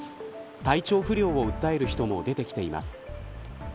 体調不良を訴える人も出てきています。